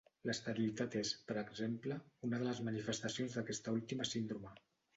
L'esterilitat és, per exemple, una de les manifestacions d'aquesta última síndrome.